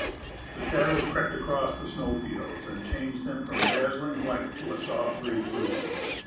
The shadows crept across the snow fields and changed them from dazzling white to a soft gray blue.